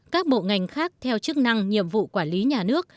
các bộ ngành khác theo chức năng nhiệm vụ quản lý nhà nước